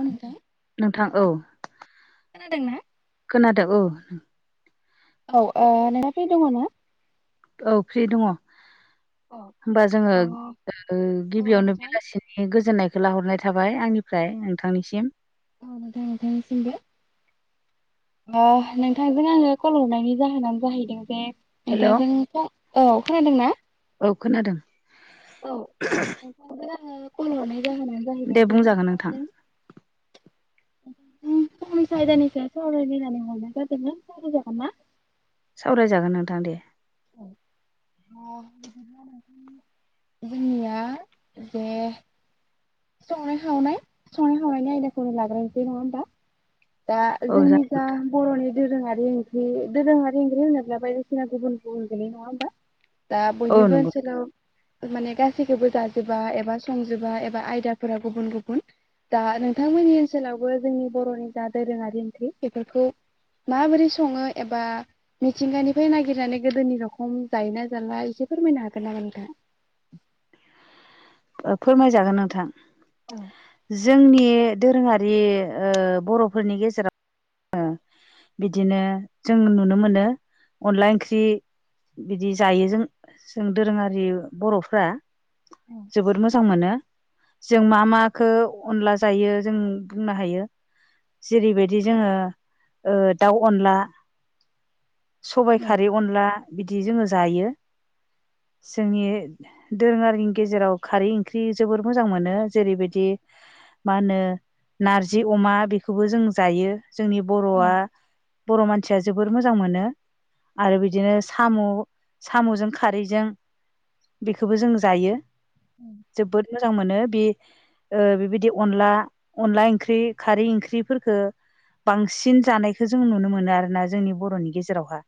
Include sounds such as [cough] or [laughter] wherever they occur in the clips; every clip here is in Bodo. औ नोंथां नोंथां औ खोनादों ना? खोनादों औ औ ओ नोंथाङा फ्रि दङ ना? औ फ्रि दङ औ होमबा जोङो अ ओ औ गिबियावनो नोंथां। बेलासि बे गोजोननायखौ लाहरनाय थाबाय आंनिफ्राय नोंथांनिसिम औ नोथां नोंथांनिसिमबो ओ नोंथांजों आङो कल हरनायनि जाहोनानो जाहैदों जे हेल' नोंथां जों औ खोनादों ना? औ खोनादों। औ नोंथां जों आङो कल हरनायनि जाहोनानो दे जाहैबाय जे बुंजागोन नोंथां जों फंनैसो आयदाानि सायाव सावरायनो होननानै हरनाय जादोंमोन सावराय जागोन ना? सावरायजागोन नोंथां दे [unintelligible] जोंनिया जे संनाय खावनाय संनाय खावनायनि आयदाखौनो लाग्रोनसै नङा होमबा? दा औ जोंनि जा जागोन बर'नि दोरोङारि ओंख्रि दोरोङारि ओंख्रि होनोब्ला बायदिसिना गुबुन गुबुन गोलैयो नङा होमबा दा औ बयनिबो नंगौ ओनसोलाव माने गासैखौबो जाजोबा एबा संजोबा एबा आय दाफोरा गुबुन गुबुन दा नोंथांमोननि ओनसोलावबो जोंनि बर'नि जा दोरोङारि ओंख्रै बेफोरखौ माबोरै सङो एबा मिथिंगानिफ्राय नागिरनानै गोदोनि रखम जायोना जाला एसे फोरमायनो हागोन नामा नोंथाङा? ओ फोरमायजागोन नोंथां औ जि जोंनि दोरोङारि ओ बर'फोरनि गेजेराव ओ बिदिनो जों नुनो मोनो अनला ओंख्रि बिदि जायो जों जों दोरोङारि बर'फोरा औ जोबोर मोजां मोनो। जों मा माखो अनला जायो जों बुंनो हायो जेरैबायदि जोङो ओ दाउ अनला, सबाय औ खारै अनला बिदि जोङो जायो जोंनि दोरोङारिनि गेजेराव खारै ओंख्रि जोबोर मोजां मोनो जेरैबायदि मा होनो नारजि अमा बेखौबो जों जायो। जोंनि औ बर'आ बर, मानसिया जोबोर मोजां मोनो। आरो बिदिनो साम' साम'जों खारैजों बेखोबो जों जायो। अम जोबोद मोजां मोनो बि ओ बेबायदि अनला अनला ओंख्रि खारै ओंख्रिफोरखो बांसिन जानायखो जों नुनो मोनो आरोना जोंनि बरनि गेजेरावहा।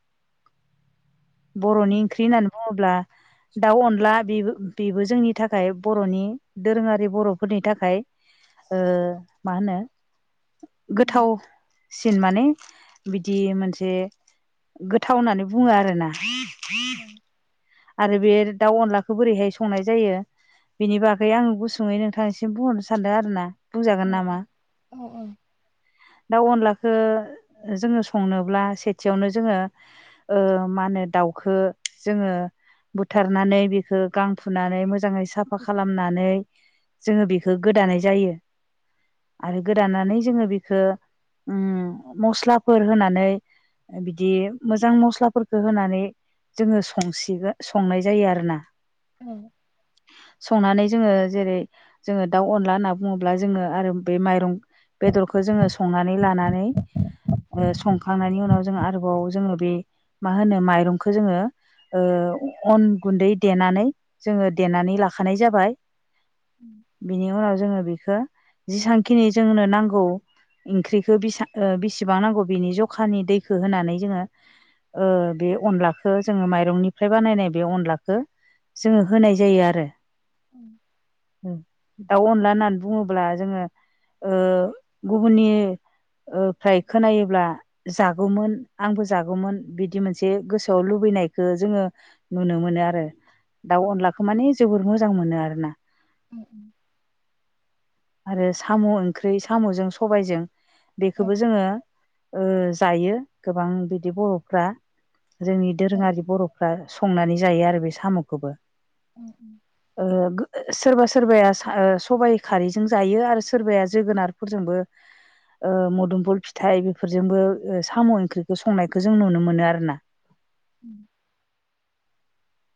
बर'नि ओंख्रि होननानै बुङोब्ला दाउ अनला बेबो बेबो जोंनि थाखाय बर'नि दोरोङारि बर'फोरनि थाखाय ओ मा होनो औ गोथाव सिन माने बिदि मोनसे गोथाव होननानै बुङो आरोना। औ। आरो बे दाउ अनलाखौ बोरैहाय संनाय जायो बिनि बागै आं गुसुङै नोंथांनिसिम बुंहरनो सानदों आरोना। औ बुंजागोन नामा? औ दाउ अनलाखो जोङो संनोब्ला सेथियावनो जोङो ओ माहोनो दाउखो जोङो बुथारनानै बेखो गां फुनानै मोजाङै साफा खालामनानै जोङो बेखो गोदानाय जायो। आरो गोदानानै जोङो बेखो उम मस्लाफोर होनानै ओ बिदि मोजां मस्लाफोरखौ होनानै जोङो संसिगोन। संनाय जायो आरोना‌। औ। संनानै जोङो जेरै जोङो दाउ अनला होनना बुङोब्ला जोङो आरो बे माइरं बेदरखो जोङो संनानै लानानै ओ संखांनायनि उनाव जोङो आरोबाव जोङो बे मा होनो माइरंखो जोङो ओ अन गुन्दै देनानै जोङो देनानै लाखानाय जाबाय। उम। बिनि उनाव जोङो बेखो जेसांखिनि जोंनो नांगौ इंख्रिखौ बेसा ओ बेसेबां नांगौ बिनि जखानि दैखो होनानै जोङो ओ बे अनलाखो जोङो माइरंनिफ्राय बानायनाय बे अनलाखौ जोङो होनाय जायो आरो। उम। दाउ अनला होननानै बुङोब्ला जोङो ओ गुबुननि ओ फ्राय खोनायोब्ला जागौमोन आंबो जागौमोन बिदि मोनसे गोसोआव लुबैनायखो जोङो नुनो मोनो आरो दाउ अनलाखौ माने जोबोर मोजां मोनो आरोना। ओम। आरो साम' ओंख्रै साम'जों सबायजों औ बेखौबो जोङो ओ जायो गोबां बिदि बर'फ्रा। जोंनि औ दोरोङारि बरफ्रा संनानै जायो आरो बे साम'खोबो। उम उम। ओ गो ओ सोरबा सोरबाया सा ओ सबाइ खारैजों जायो आरो सोरबाया जोगोनार फोरजोंबो ओ मोदोमफुल फिथाइ बेफोरजोंबो ओ साम' ओंख्रिखौ संनायखो जों नुनो मोनो आरोना। उम।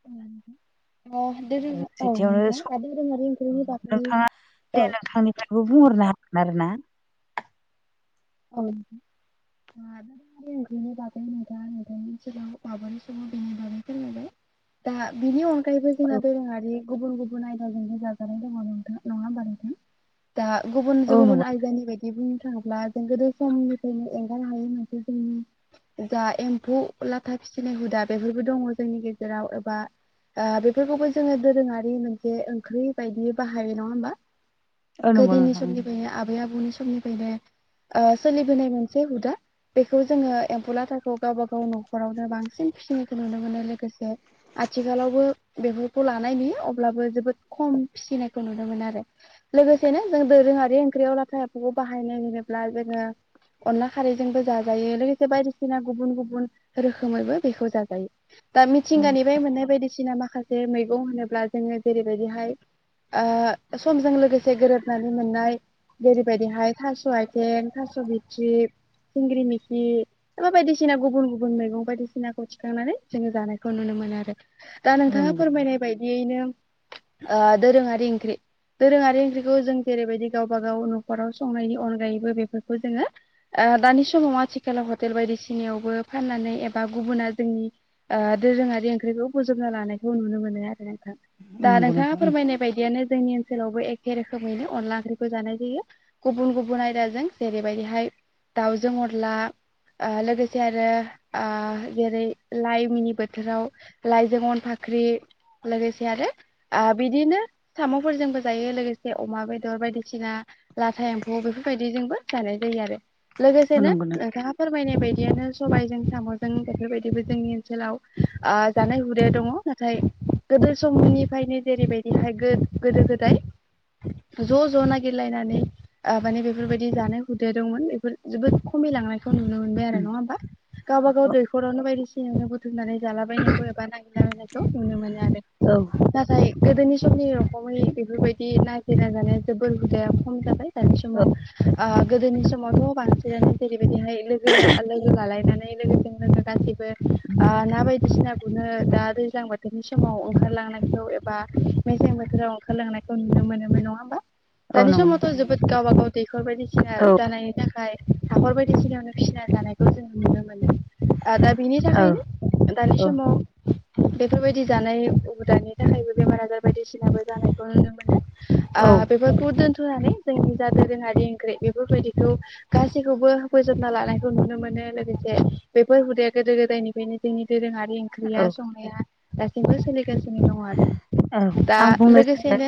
उम [unintelligible] ओ दोरों औ सेथियावनो नोंथां दा दोरोंङारि ओंख्रिनि बागै औ नों [unintelligible] बुंहरनो हागोन आरोना। औ मारै मारै ओंख्रिनि बागै नोंथाङा नोंथांनि सेराव वाबनि सोमोन्दो गुवारै फोरमायबाय दा बिनि अन गायैबो जोंहा औ दोरोङारि गुबुन गुबुन आयदाजोंनो जाजानाय दङ नोंथां। नङा होनबा नोंथां? दा गुबुनजो औ नंगौ गुबुन आयदानि बायदि बुंनो थाङोब्ला जों गोदो समाहनिफ्रायनो एंगार हायो मोनसे जोंनि जा एम्फौ लाथा फिसिनाय हुदा बेफोरबो दङ जोंनि गेजेराव एबा आ बेफोरखौबो जोङो दोरोङारि मोनसे ओंख्रि बायदियै बाहायो। नङा होमबा? औ नंगौ गोदोनि नोंथां समनिफ्रायनो आबै आबौनि ओ सोलिबोनाय मोनसे हुदा। बेखौ जोङो एम्फौ लाथाखौ गावबागाव न'खरावनो बांसिन फिसिनायखौ नुनो मोनो। लोगोसे आथिखालावबो बेफोरखौ लानाय नुयो अब्लाबो जोबोद खम फिसिनायखौ नुनो मोनो आरो। लोगोसेनो जों दोरोङारि ओंख्रियाव लाथा एमफौखौ बाहायनाय होनोब्ला जोङो अनला खारैजोंबो जाजायो लोगोसे बायदिसिना गुबुन गुबुन रोखोमैबो बेखौ जाजायो। दा औ मिथिंगानिफ्राय नोंथां मोननाय बायदिसिना माखा से मैगं होनोब्ला जोङो जेरैबायदिहाय ओ समजों लोगोसे गोरोबनानै मोननाय जेरैबायदिहाय थास हाय ओन थास बिथ्रि सिंग्रि मिखि नोङो बायदिसिना गुबुन गुबुन मैगं बायदिसिनाखौ थिखांनानै जोङो जानायखौ नुनो मोनो आरो दा औ नोंथाङा नंगौ नोंथां फोरमायनाय बायदियैनो ओ दोरोङारि ओंख्रि दोरोङारि ओंख्रिखौ जों जेरैबायदि गावबा गाव नखराव संनायनि अनगायैबो बेफोरखौ जोङो ओ दानि समाव आथिखालाव हटेल बायदिसिनायावबो फाननानै एबा गुबुना जोंनि ओ दोरोङारि ओंख्रिखौ बोजबना लानायखौ नुनो मोनो आरो नोंथां दा नंगौ नोंथाङा नोंथां फोरमायनाय बायदियानो जोंनि ओनसोलावबो एख रोखोमैनो अन्ला ओंख्रिखौ जानाय जायो। गुबुन गुबुन आयदाजों जों जेरैबायदिहाय दाउजों अनला ओ लोगोसे आरो ओ जेरै लाइ मिनि बोथोराव लाइजोअन फाख्रि लोगोसे आरो आ बिदिनो साम'फोरजोंबो जायो लोगोसे अमा बेदर बायदिसिना लाथा एम्फौ बेफोरबायदिजोंबो जानाय जायो आरो औ लोगोसेनो नंगौ नोंथां नोंथाङा फोरमायनाय बायदियानो सबायजों साम'जों बेफोरबायदिबो जोंनि ओनसोलाव ओ जानाय हुदाया दङ। नाथाय गोदो समनिफ्रायनो जेरैबायदिहाय गो गोदो गोदाय ज ज नागिरलायनानै ओ माने बेफ बेफोरबायदि जानाय हुदाया दंमोन बेफोर जोबोद खमायलांनायखौ नुनो मोनबाय आरो नङा होमबा गावबा गाव औ दै न'खरावनो बायदिसिना बुथुमनानै जालाबायनायखौ एबा नागिरला बायनायखौ नुनो मोनो आरो। औ नाथाय गोदोनि समनि रखमै बेफोरबायदि नागिरना जानाया जोबोर हुदाया खम जाबाय। सम ओ गोदोनि समावथ' बांसिननानै जेरैबायदिहाय लोगो ला लोगो लालायनानै लोगोजों लोगो गासैबो ओ ना बायदिसिना गुरनो दा दैज्लां बोथोरनि समाव ओंखारलांनायखौ बा मेसें बोथोराव ओंखारलांनायखौ नुनो मोनोमोन नङा होमबा? औ दानि नंगौ समावथ नोंथां जोबोद गाबागाव दैखर बायदिसिना औ जानायनि थाखाय हाखर बायदिसिनायावनो फिसिना जानायखौ जों नुनो मोनो। आ दा बिनि औ थाखायनो दानि औ समाव बेफोरबायदि जानाय हुदानि थाखायबो बेमार आजार बायदिसिनाबो जानायखौ नुनो मोनो। ओ औ बेफोरखौ दोन्थनानै जोंनि जा दोरोङारि ओंख्रि बेफोरबायदिखौ गासैखौबो बोजोनना लानायखौ नुनो मोनो लोगोसे बेफोर हुदाया गोदो गोदायनिफायनो जोंनि दोरोङारि ओंख्रिया औ संनाया दासिमबो सोलिगासिनो दङ आरो औ दा आं बुंनो सानो लोगोसेनो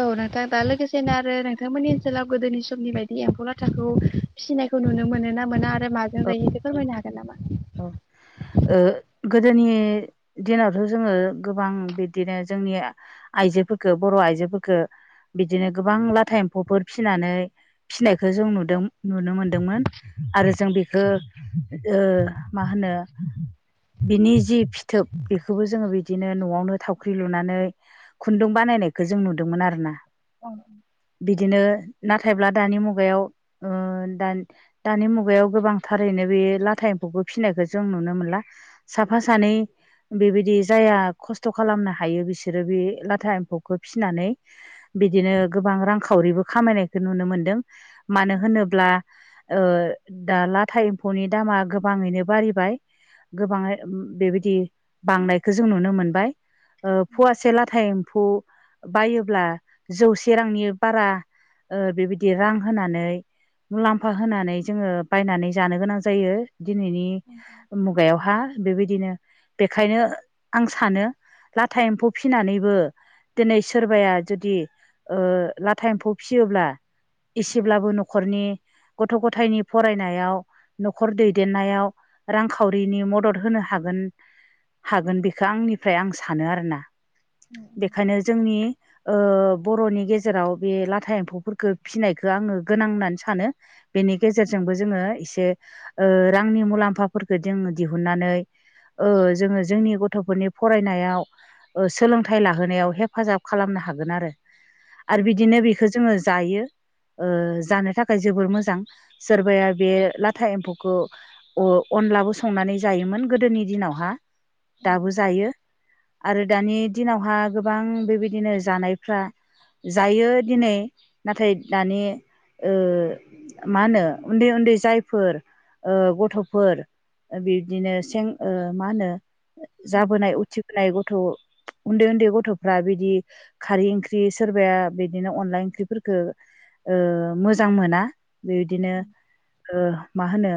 औ नोंथां दा लोगोसेनो आरो नोंथा नो माने ओनसोलाव गोदोनि समनि बायदि एम्फौ लाथाखौ फिसिनायखौ नुनो मोनो ना मोना आ ओ माजों औ जायो बेफोर फैनो हागोन नामा औ गोदोनि दिनावथ' जोङो गोबां बिदिनो जोंनि आइजोफोरखौ बर' आइजोफोरखौ बिदिनो गोबां लाथा एम्फौफोर फिसिनानै फिसिनायखौ जों नुदों नुनो मोनदोंमोन आरो जों बेखौ [inaudible] मा होनो बिनि जि फिथोब बेखौबो जोङो बिदिनो न'आवनो थावख्रि लुनानै। खुन्दुं बानायनायखौ जों नुदोंमोन आरो ना [inaudible] बिदिनो नाथायब्ला दानि मुगायाव ओ दानि दानि मुगायाव गोबांथारैनो बे लाथा एम्फौखौ फिसिनायखौ जों नुनो मोनला। साफा सानै। बेबायदि जाया खस्थ' खालामनो हायो बिसोरो बे लाथा एम्फौखौ फिनानै। बिदिनो गोबां रांखावरिबो खामायनायखौ नुनो मोनदों। मानो होनोब्ला ओ दा लाथा एम्फौनि दामा गोब गोबाङैनो बारिबाय गोबाङै बेबायदि बांनायखौ जों नुनो मोनबाय ओ फुवासे लाथा एम्फौ बायोब्ला जौसे रांनि बारा ओ बेबायदि रां होनानै मुलाम्फा होनानै जोङो बायनानै जानो गोनां जायो दिनैनि गायावहा बेबेदिनो। बेखायनो आं सानो लाथा एम्फौ फिनानैबो। दिनै सोरबाया जुदि ओ लाथा एम्फौ फिसियोब्ला। इसेब्लाबो न'खरनि गथ' गथायनि फरायनायाव न'खर दै। देरनायाव रांखावरिनि मदद होनो हागोन। हागोन बेखौ आंनिफ्राय आं सानो आरोना औ बेखायनो जोंनि ओ बर'नि गेजेराव बे लाथा एम्फौफोरखो फिसिनायखौ आङो गोनां होननानै सानो। बेनि गेजेरजोंबो जोङो एसे ओ रांनि मुलाम्फाफोरखौ जोङो दिहुननानै ओ जोङो जोंनि गथ'फोरनि फरायनायाव ओ सोलोंथाइ लाहोनायाव हेफाजाब खालामनो हागोन आरो। आर बिदिनो बेखौ जोङो जायो ओ जानो थाखाय जोबोर मोजां। सोरबाया बे लाथा एम्फौ। अ अनलाबो संनानै जायोमोन गोदोनि दिनावहा दाबो जायो आरो दानि दिनावहा गोबां बेबायदिनो जानायफ्रा जायो दिनै नाथाय दानि ओ मा होनो उन्दै उन्दै जायफोर। ओ गथ'फोर बिब्दिनो सें ओ मा होनो औ जाबोनाय उथिबोनाय गथ' उन्दै उन्दै गथ'फ्रा बिदि खारै ओंख्रि सोरबाया बिदिनो अनला ओंख्रिफोरखौ ओ मोजां मोना बेबायदिनो औ ओ मा होनो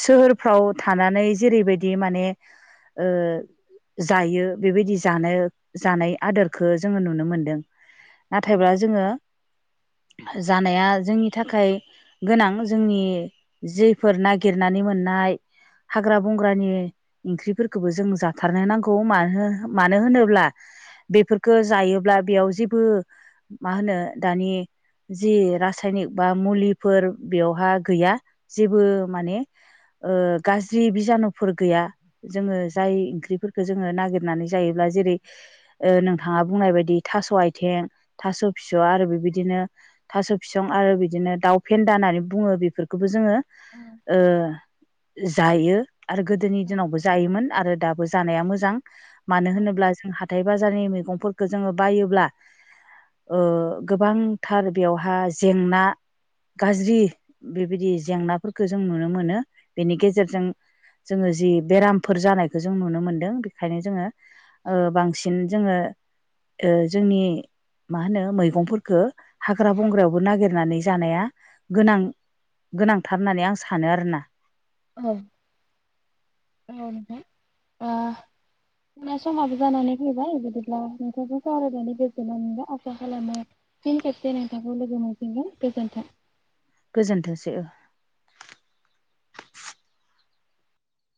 सोहोरफ्राव थानानै जेरैबायदि माने ओ जायो बेबायदि जानो जानाय आदारखौ जोङो नुनो मोनदों नाथायब्ला जोङो। जानाया जोंनि थाखाय गोनां जोंनि। जेफोर नागिरनानै मोननाय हाग्रा बंग्रानि ओंख्रिफोरखौबो जों जाथारनो नांगौ मानो मानो होनोब्ला बेफोरखौ जायोब्ला बेयाव जेबो मा होनो दानि जि रासायनिक बा मुलिफोर बेयावहा गैया जेबो माने ओ गाज्रि बिजानुफोर गैया जोङो जाय ओंख्रिफोरखौ जोङो नागिरनानै जायोब्ला जेरै ओ नोंथाङा बुंनाय बायदि थास' आथिं थास' फिस' आरो बेबायदिनो थास' फिसं आरो बिदिनो दाउ फेन्दा होननानै बुङो बेफोरखौ जोङो औ ओ जायो। आरो गोदोनि औ दिनावबो जायोमोन आरो दाबो जानाया मोजां मानो औ होनोब्ला जों हाथाय बाज बाजारनि मैगंफोरखौ जोङो बायोब्ला। ओ गोबांथार बेवहा जेंना गाज्रि। बिदि जेंनाफोरखौ जों नुनो मोनो बेनि औ गेजेरजों जोङो जि बेराम। फोर जानायखौ जों नुनो मोनदों बेखायनो जोङो ओ बांसिन जोङो ओ जोंनि मा होनो मैगंफोरफोरखौ हाग्रा बंग्रायावबो नागिरनानै जानाया गोनां गोनांथार होननानै आं सानो आरोना। [inaudible] समाबो जानानै फैबाय बिदिब्ला नोंथांजों सावरायनानै गोजोननाय मोनबाय आसा खालामो फिन खेबसे नोंथांखौ लोगो मोनफनगोन गोजोन्थों। गोजोन्थोंसै ओ।